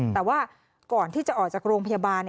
แต่ว่าก่อนที่จะออกจากโรงพยาบาล